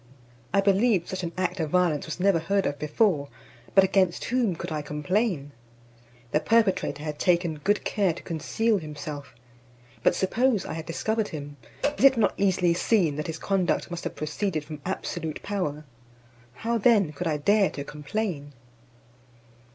I believe such an act of violence was never heard of before; but against whom could I complain? The perpetrator had taken good care to conceal himself. But suppose I had discovered him, is it not easily seen that his conduct must have proceeded from absolute power? How then could I dare to complain?